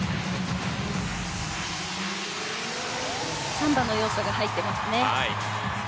サンバの要素が入ってますね。